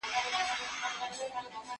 ته ولي موټر کاروې،